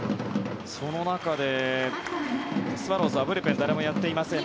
その中でスワローズはブルペン、誰もやっていません。